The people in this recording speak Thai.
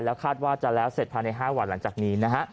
คาดว่าจะแล้วเสร็จภายใน๕วันหลังจากนี้นะฮะ